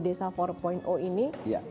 desa empat ini